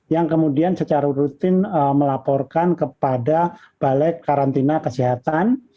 yang kemudian secara rutin melaporkan kepada balai karantina kesehatan